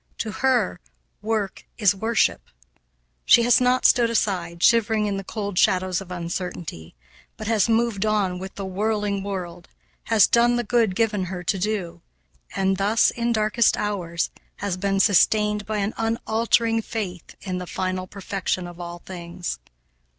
To her, work is worship. She has not stood aside, shivering in the cold shadows of uncertainty, but has moved on with the whirling world, has done the good given her to do, and thus, in darkest hours, has been sustained by an unfaltering faith in the final perfection of all things.